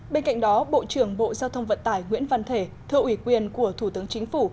bên cạnh đó bộ trưởng bộ giao thông vận tải nguyễn văn thể thưa ủy quyền của thủ tướng chính phủ